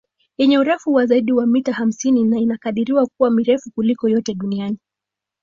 Yenye urefu wa zaidi ya mita hamsini na inakadiriwa kuwa mirefu kuliko yote duniani